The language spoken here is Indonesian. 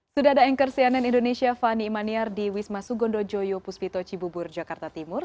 sudah ada anchor cnn indonesia fani imaniar di wisma sugondo joyo puspito cibubur jakarta timur